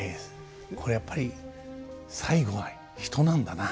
これやっぱり最後は人なんだな。